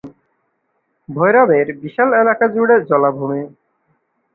ভৈরবের বিশাল এলাকাজুড়ে জলাভূমি।